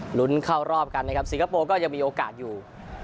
ลุ้นเข้ารอบกันนะครับสิงคโปร์ก็ยังมีโอกาสอยู่